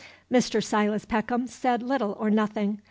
Mr. Silas Peckham said little or nothing.